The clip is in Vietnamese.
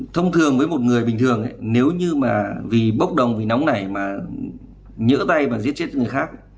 thông thường với một người bình thường nếu như mà vì bốc đồng vì nóng nảy mà nhỡ tay và giết chết cho người khác